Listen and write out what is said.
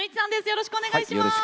よろしくお願いします。